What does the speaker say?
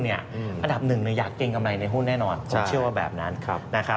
ระดับหนึ่งอยากเกรงกำไรในหุ้นแน่นอนก็เชื่อว่าแบบนั้น